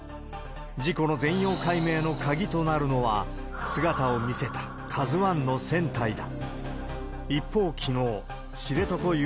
事故の全容解明の鍵となるのは、姿を見せたＫＡＺＵＩの船体だ。